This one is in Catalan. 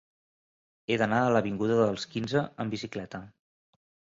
He d'anar a l'avinguda dels Quinze amb bicicleta.